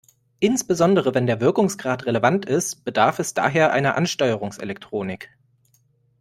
Insbesondere wenn der Wirkungsgrad relevant ist, bedarf es daher einer Ansteuerungselektronik.